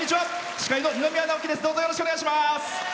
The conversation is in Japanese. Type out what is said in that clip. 司会の二宮直輝です。